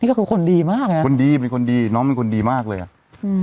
ก็คือคนดีมากไงคนดีเป็นคนดีน้องเป็นคนดีมากเลยอ่ะอืม